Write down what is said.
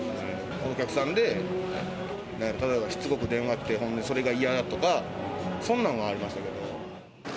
お客さんで、なんやったら、電話きてほんでそれが嫌やとか、そんなんはありましたけど。